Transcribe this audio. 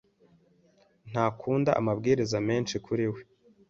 Ntakunda amabwiriza menshi kuri we